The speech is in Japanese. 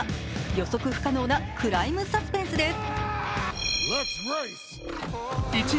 予測不可能なクライムサスペンスです。